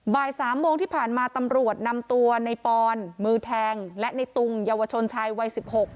บ่าย๓โมงที่ผ่านมาตำรวจนำตัวในปอนมือแทงและในตุงเยาวชนชายวัย๑๖